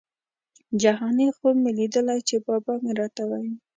جهاني خوب مي لیدلی چي بابا مي راته وايی